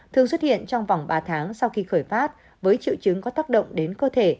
thường xuất hiện trong vòng ba tháng sau khi khởi phát với triệu chứng có tác động đến cơ thể